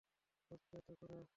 লজ্জা তো করে।